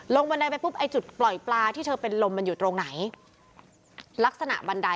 ลงบันไดไปปุ๊บจุดปล่อยปลาที่เชิญเป็นลมมันอยู่ตรงไหน